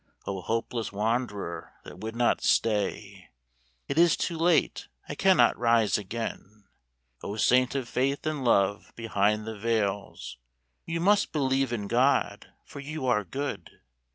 O hopeless wanderer that would not stay, ("It is too late, I cannot rise again!") O saint of faith in love behind the veils, ("You must believe in God, for you are good!")